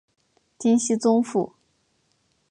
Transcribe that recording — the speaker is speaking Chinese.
金熙宗父。